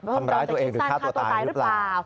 ทำร้ายตัวเองหรือฆ่าตัวตายหรือเปล่า